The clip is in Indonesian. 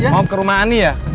mau ke rumah ani ya